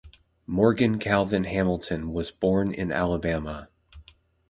Morgan Calvin Hamilton was born in Alabama.